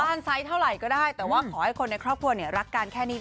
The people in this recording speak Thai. ไซส์เท่าไหร่ก็ได้แต่ว่าขอให้คนในครอบครัวเนี่ยรักกันแค่นี้